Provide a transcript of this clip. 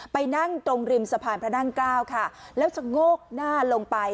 ไปนั่งตรงริมสะพานพระนั่งเกล้าค่ะแล้วชะโงกหน้าลงไป